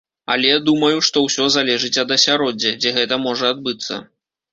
Але, думаю, што ўсё залежыць ад асяроддзя, дзе гэта можа адбыцца.